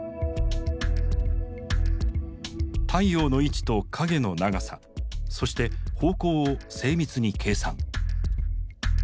太陽の位置と影の長さそして方向を精密に計算。